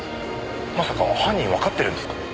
まさか犯人わかってるんですか？